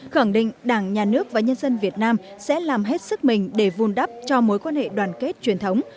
khẳng định đảng nhà nước và nhân dân việt nam sẽ làm hết sức mình để vun đắp cho mối quan hệ đoàn kết truyền thống